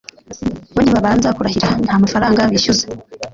bo ntibabanza kurahira, nta n'amafaranga bishyura.